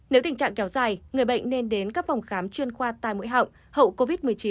nếu tình trạng kéo dài người bệnh nên đến các phòng khám chuyên khoa tai mũi họng hậu covid một mươi chín